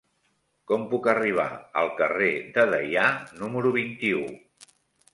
Com puc arribar al carrer de Deià número vint-i-u?